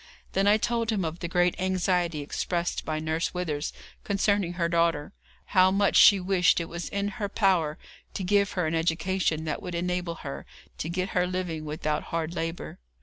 Then I told him of the great anxiety expressed by Nurse Withers concerning her daughter; how much she wished it was in her power to give her an education that would enable her to get her living without hard labour.